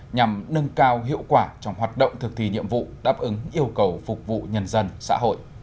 nhằm nâng cao hiệu quả trong hoạt động thực thi nhiệm vụ đáp ứng yêu cầu phục vụ nhân dân xã hội